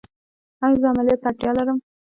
ایا زه عملیات ته اړتیا لرم؟